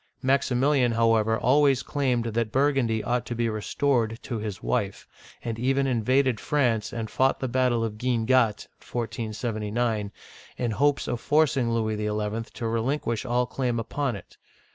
Maximilian, however, always claimed that Burgundy ought to be restored to his wife, and even invaded France and fought the battle of Guinegate (geen gat', 1479) in hopes of forcing Louis XL to relinquish all claim upon it.